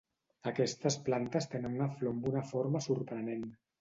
Aquestes plantes tenen una flor amb una forma sorprenent.